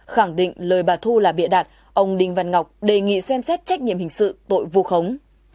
khẳng định lời bà thu là bịa đạt ông đình văn ngọc đề nghị xem xét trách nhiệm hình sự tội vụ khống